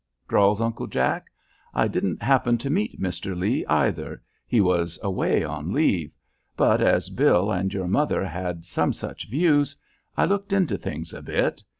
drawls Uncle Jack. "I didn't happen to meet Mr. Lee, either, he was away on leave; but as Bill and your mother had some such views, I looked into things a bit.